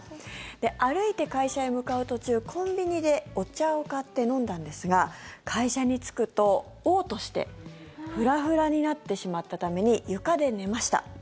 歩いて会社へ向かう途中コンビニでお茶を買って飲んだんですが会社に着くとおう吐してフラフラになってしまったために床で寝ました。